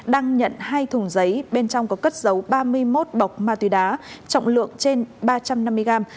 đang nhận hai thùng giấy bên trong có cất dấu ba mươi một bọc ma túy đá trọng lượng trên ba trăm năm mươi gram